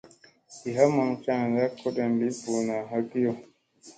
Di ha maŋ caanda kodon lii buuna hakiyo.